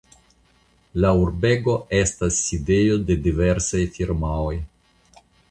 La urbego estas sidejo de diversaj firmaoj.